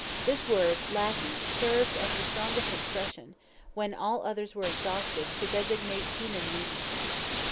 This word "lackey" served as the strongest expression, when all others were exhausted, to designate human meanness.